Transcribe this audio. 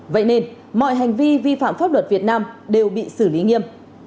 vậy nên mọi hành vi vi phạm pháp luật việt nam đều bị xử lý nghiêm